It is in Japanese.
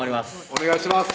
お願いします